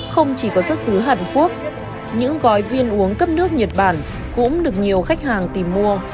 không chỉ có xuất xứ hàn quốc những gói viên uống cấp nước nhật bản cũng được nhiều khách hàng tìm mua